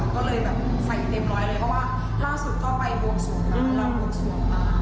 ก็เลยแบบใส่เต็มร้อยเลยเพราะว่าล่าสุดก็ไปวงศูนย์มาเราวงศูนย์มา